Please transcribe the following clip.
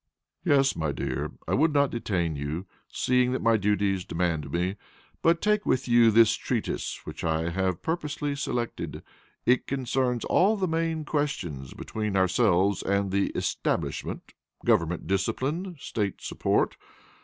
"Yes, my dear; I would not detain you, seeing that my duties demand me. But take with you this Treatise, which I have purposely selected. It concerns all the main questions between ourselves and the Establishment government, discipline, state support.